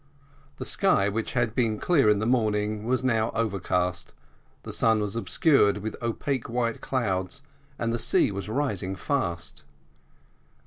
The sky, which had been clear in the morning, was now overcast, the sun was obscured with opaque white clouds, and the sea was rising fast.